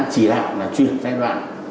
chỉ đại là chuyển giai đoạn